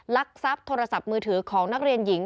ลักทรัพย์โทรศัพท์มือถือของนักเรียนหญิง